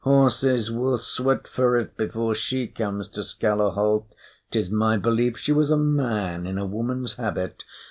Horses will sweat for it before she comes to Skalaholt; 'tis my belief she was a man in a woman's habit.